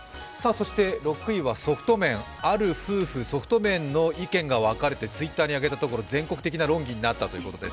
６位はソフト麺、ある夫婦、そふとの意見が分かれてＴｗｉｔｔｅｒに上げたところ全国的な論議になったということです。